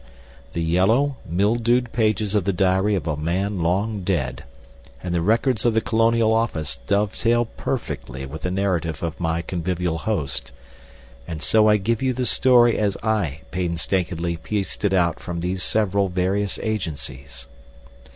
The yellow, mildewed pages of the diary of a man long dead, and the records of the Colonial Office dovetail perfectly with the narrative of my convivial host, and so I give you the story as I painstakingly pieced it out from these several various agencies.